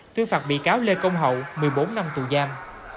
tuyên phạt bị cáo lê công hậu một mươi bốn năm tù giam